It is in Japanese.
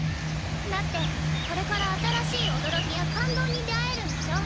だってこれから新しい驚きや感動に出会えるんでしょ？